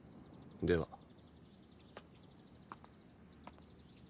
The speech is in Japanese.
では。